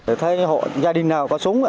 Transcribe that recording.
tôi thấy gia đình nào có súng ạ